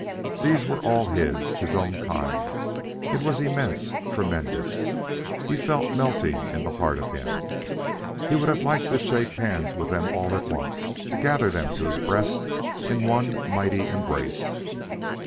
These were all his, his own kind. It was immense, tremendous. He felt melting in the heart of him, and he would have liked to shake hands with them all at once, to gather them to his breast in one mighty embrace.